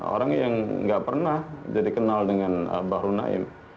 orang yang nggak pernah jadi kenal dengan bahru naim